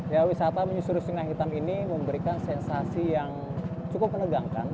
ya wisata menyusuri sungai hitam ini memberikan sensasi yang cukup menegangkan